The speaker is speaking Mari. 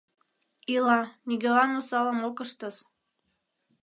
— Ила, нигӧлан осалым ок ыштыс...